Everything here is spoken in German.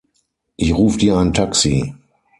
Ich ruf dir ein Taxi.